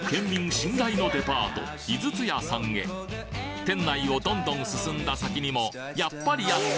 信頼のデパート井筒屋さんへ店内をどんどん進んだ先にもやっぱりあった！